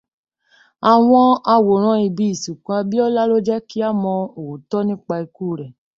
Àwọn àwòrán ibi ìsìnkú Abíọ́lá ló jẹ́ kí a mọ òótọ́ nípa ikú rẹ̀.